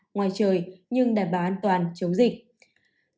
ngoài trời nhưng đảm bảo an toàn chống dịch